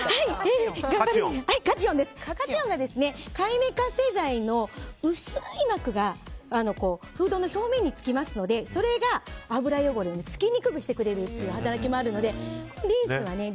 カチオンは界面活性剤の薄い膜がフードの表面につきますのでそれが油汚れを付きにくくしてくれる働きもあるので。